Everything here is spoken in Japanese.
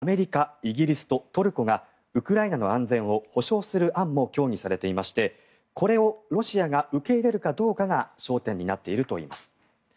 ＮＡＴＯの加盟をウクライナが断念する代わりにアメリカ、イギリスとトルコがウクライナの安全を保障する案も協議されていましてこれをロシアが受け入れるかどうかが焦点になっているといいます。